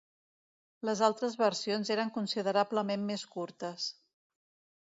Les altres versions eren considerablement més curtes.